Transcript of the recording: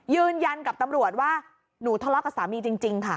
ยืนยันกับตำรวจว่าหนูทะเลาะกับสามีจริงค่ะ